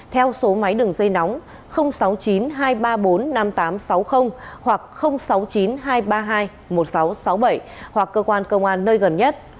theo số máy đường dây nóng sáu mươi chín hai trăm ba mươi bốn năm nghìn tám trăm sáu mươi hoặc sáu mươi chín hai trăm ba mươi hai một nghìn sáu trăm sáu mươi bảy hoặc cơ quan công an nơi gần nhất